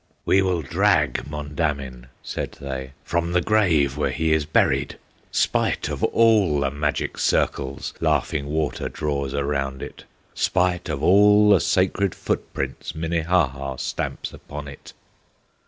"We will drag Mondamin," said they, "From the grave where he is buried, Spite of all the magic circles Laughing Water draws around it, Spite of all the sacred footprints Minnehaha stamps upon it!"